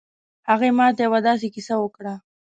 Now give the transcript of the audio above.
هغې ما ته یو ه داسې کیسه وکړه